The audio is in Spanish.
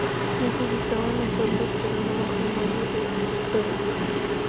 Necesitaban las tropas, pero no bajo el mando de Berwick.